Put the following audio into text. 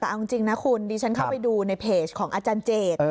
แต่เอาจริงนะคุณดิฉันเข้าไปดูในเพจของอาจารย์เจต